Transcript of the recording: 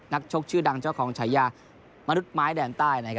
ชกชื่อดังเจ้าของฉายามนุษย์ไม้แดนใต้